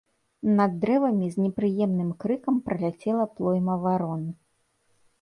Над дрэвамі з непрыемным крыкам праляцела плойма варон.